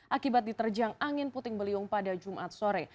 akibat diterjang angin puting beliung pada jumat sore